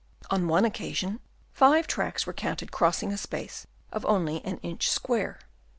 On one occasion, fiVe tracks were counted crossing a space of only an inch square.